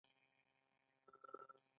ایا ستنه مو لګولې ده؟